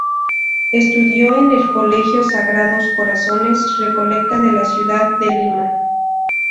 Estudió en el Colegio Sagrados Corazones Recoleta de la ciudad de Lima.